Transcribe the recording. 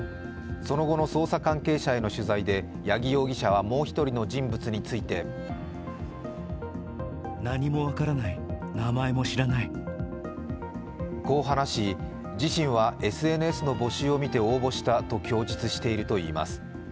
その後の捜査関係者への取材で八木容疑者はもう１人の人物についてこう話し、自身はＳＮＳの募集を見て応募したと供述しているといいます。